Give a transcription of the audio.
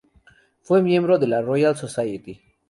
Fue miembro de la Royal Society.